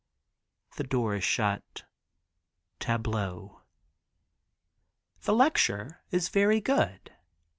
The door is shut. Tableau. The lecture is very good.